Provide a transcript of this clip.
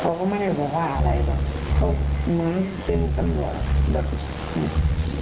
เพราะว่าไม่ได้บอกว่าอะไรเขาเหมือนเป็นตำรวจ